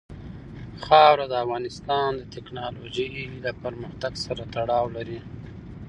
خاوره د افغانستان د تکنالوژۍ له پرمختګ سره تړاو لري.